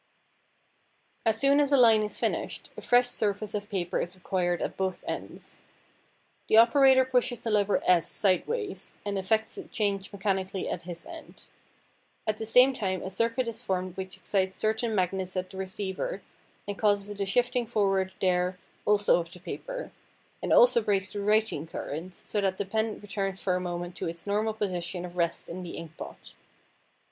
As soon as a line is finished a fresh surface of paper is required at both ends. The operator pushes the lever S sideways, and effects the change mechanically at his end. At the same time a circuit is formed which excites certain magnets at the receiver and causes the shifting forward there also of the paper, and also breaks the writing current, so that the pen returns for a moment to its normal position of rest in the inkpot.